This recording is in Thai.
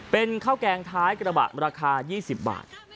เป็นข้าวแกงท้ายกระบะราคา๒๐บาท